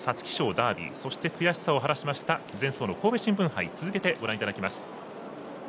ダービーそして悔しさを晴らしました前走の神戸新聞杯を続けてご覧いただきます。